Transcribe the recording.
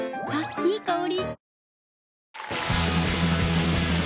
いい香り。